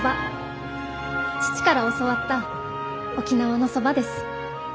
父から教わった沖縄のそばです。